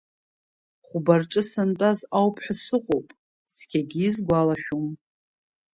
Хәба рҿы сантәаз ауп ҳәа сыҟоуп, цқьагьы исгәалашәом.